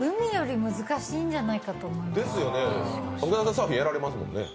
サーフィンやられますもんね。